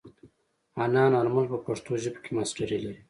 حنان آرمل په پښتو ژبه کې ماسټري لري.